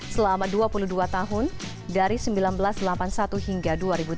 selama dua puluh dua tahun dari seribu sembilan ratus delapan puluh satu hingga dua ribu tiga